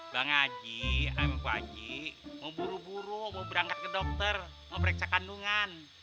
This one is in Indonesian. bang aji ayem bapak aji mau buru buru mau berangkat ke dokter mau pereksa kandungan